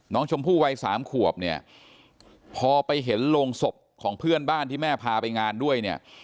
น้องชมพู่วัยสามขวบเนี่ยพอไปเห็นโรงศพของเพื่อนบ้านที่แม่พาไปงานด้วยเนี่ย